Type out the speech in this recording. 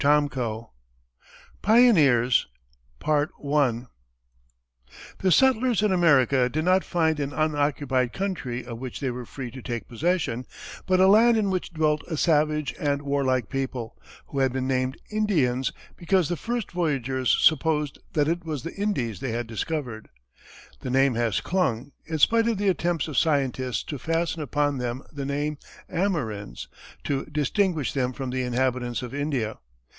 CHAPTER VI PIONEERS The settlers in America did not find an unoccupied country of which they were free to take possession, but a land in which dwelt a savage and warlike people, who had been named Indians, because the first voyagers supposed that it was the Indies they had discovered. The name has clung, in spite of the attempts of scientists to fasten upon them the name Amerinds, to distinguish them from the inhabitants of India.